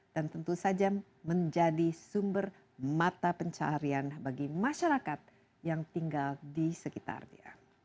dan tentu saja menjadi sumber mata pencarian bagi masyarakat yang tinggal di sekitar dia